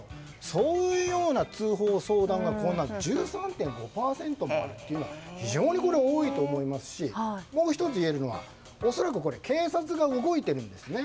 そういう通報・相談が１３．５％もあるのは非常に多いと思いますしもう１ついえるのは恐らく警察が動いているんですね。